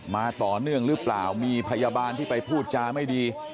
มาต่อเนื่องหรือเปล่ามีพยาบาลที่ไปพูดจาไม่ดี